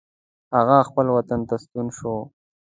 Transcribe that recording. هغه خپل وطن ته ستون شو.